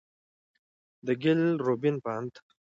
د ګيل روبين په اند،